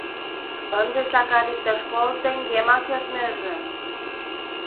Ындыже Сакар иктаж коло теҥгемак йоднеже.